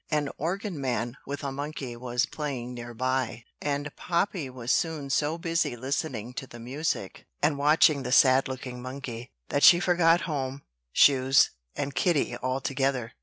An organ man with a monkey was playing near by; and Poppy was soon so busy listening to the music, and watching the sad looking monkey, that she forgot home, shoes, and Kitty altogether.